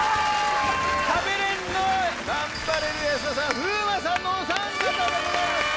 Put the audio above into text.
食べれるのはガンバレルーヤ安田さん風磨さんのお三方でございます。